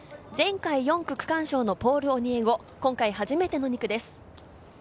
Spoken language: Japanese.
前回４区区間賞のポール・オニエゴ、今回初めての２区です。